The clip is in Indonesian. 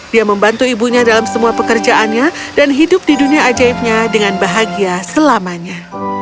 dia membantu ibunya dalam semua pekerjaannya dan hidup di dunia ajaibnya dengan bahagia selamanya